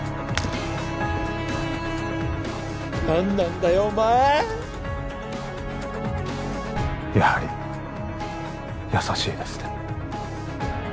何なんだよお前やはり優しいですね